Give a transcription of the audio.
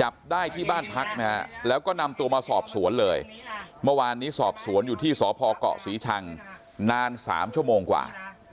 จับได้ที่บ้านพักนะฮะแล้วก็นำตัวมาสอบสวนเลยเมื่อวานนี้สอบสวนอยู่ที่สพเกาะศรีชังนาน๓ชั่วโมงกว่า